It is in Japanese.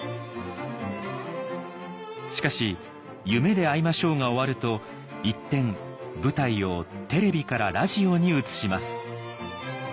しかし「夢であいましょう」が終わると一転舞台をテレビからラジオに移します。